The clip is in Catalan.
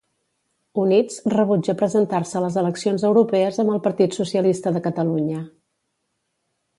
Units rebutja presentar-se a les eleccions europees amb el Partit Socialista de Catalunya.